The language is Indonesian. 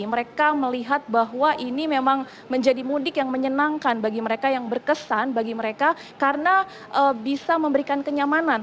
mereka melihat bahwa ini memang menjadi mudik yang menyenangkan bagi mereka yang berkesan bagi mereka karena bisa memberikan kenyamanan